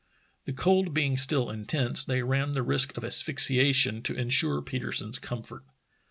The cold being still intense, they ran the risk of asphyxiation to insure Petersen's comfort.